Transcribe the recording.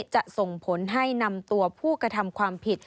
จะส่งผลให้นำตัวผู้กระทำความผิด